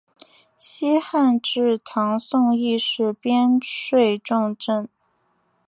西汉至唐宋亦是边睡重镇。